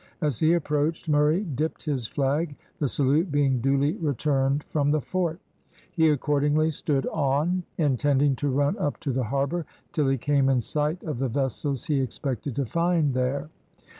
As he approached, Murray dipped his flag, the salute being duly returned from the fort. He accordingly stood on, intending to run up the harbour till he came in sight of the vessels he expected to find there.